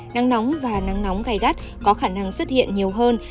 nắng nóng và nắng nóng gai gắt có khả năng xuất hiện nhiều hơn